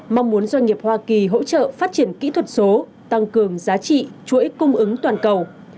mong muốn doanh nghiệp hoa kỳ hỗ trợ phát triển kỹ thuật số tăng cường giá trị chuỗi cung ứng toàn cầu